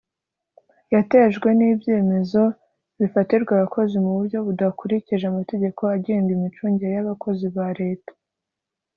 Yatejwe n ibyemezo bifatirwa abakozi mu buryo budakurikije amategeko agenga imicungire y abakozi ba leta